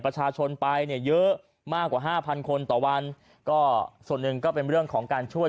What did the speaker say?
ประชาชนไปเนี่ยเยอะมากกว่าห้าพันคนต่อวันก็ส่วนหนึ่งก็เป็นเรื่องของการช่วย